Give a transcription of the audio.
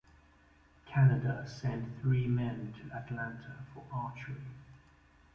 Canada sent three men to Atlanta for archery.